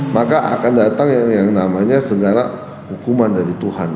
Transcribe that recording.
maka akan datang yang namanya segala hukuman dari tuhan